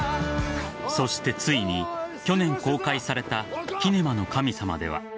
そしてついに去年公開された「キネマの神様」では。